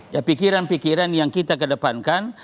ya pikiran pikiran yang kita kedepankan